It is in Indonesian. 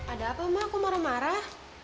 ada apa mbak aku marah marah